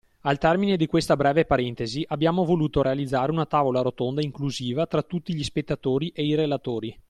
Al termine di questa breve parentesi, abbiamo voluto realizzare una tavola rotonda inclusiva tra tutti gli spettatori e i relatori.